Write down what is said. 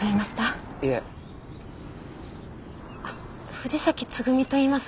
藤崎つぐみといいます。